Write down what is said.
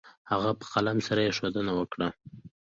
هغه په قلم سره يې ښوونه وكړه.